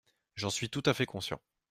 J’en suis tout à fait conscient.